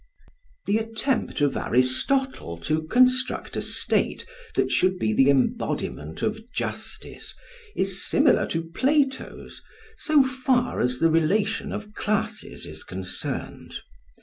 The attempt of Aristotle to construct a state that should be the embodiment of justice is similar to Plato's so far as the relation of classes is concerned.